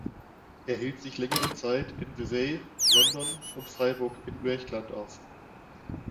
Er hielt sich längere Zeit in Vevey, London und Freiburg im Üechtland auf.